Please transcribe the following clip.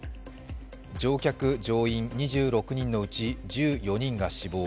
乗客・乗員２６人のうち１４人が死亡。